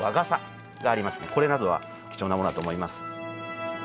これなどは貴重なものだと思います。